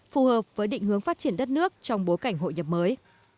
phù hợp với định hướng phát triển đất nước trong bối cảnh hội nhập mới